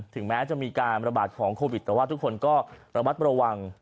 ถึงแม้จะมีการระบาดของโควิดแต่ว่าทุกคนก็ระมัดระวัง